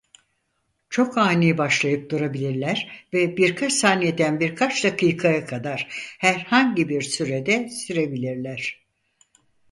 Çok ani başlayıp durabilirler ve birkaç saniyeden birkaç dakikaya kadar herhangi bir sürede sürebilirler.